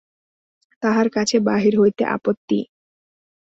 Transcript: তাহার কাছে বাহির হইতে আপত্তি!